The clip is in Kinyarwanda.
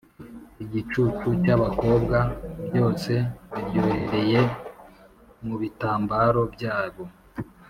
igicucu cyabakobwa, byose biryohereye mubitambaro byabo,